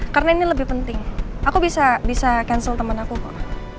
karena ini lebih penting aku bisa cancel temen aku kok